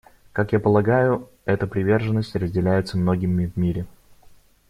Как я полагаю, эта приверженность разделяется многими в мире.